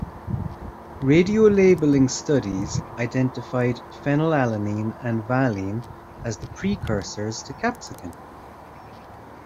Radiolabeling studies identified phenylalanine and valine as the precursors to capsaicin.